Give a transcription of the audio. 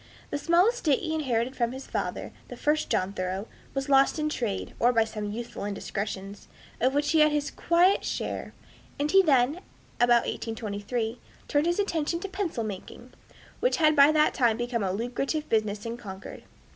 The small estate he inherited from his father, the first John Thoreau, was lost in trade, or by some youthful indiscretions, of which he had his quiet share; and he then, about 1823, turned his attention to pencil making, which had by that time become a lucrative business in Concord.